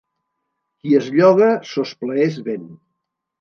Qui es lloga sos plaers ven.